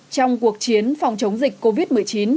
trong cuộc chiến phòng chống dịch covid một mươi chín